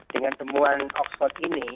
dengan temuan oxford ini